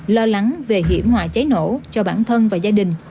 lo lắng về hiểm hòa cháy nổ cho bản thân và gia đình